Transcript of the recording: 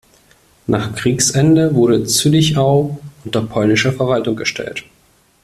Nach Kriegsende wurde Züllichau unter polnische Verwaltung gestellt.